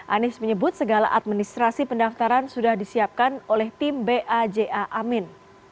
anies menyebut segala administrasi pendaftaran sudah disiapkan oleh tim baja amin